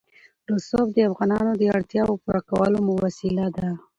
رسوب د افغانانو د اړتیاوو د پوره کولو وسیله ده.